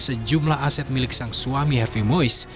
sejumlah aset milik sang suami harvey mois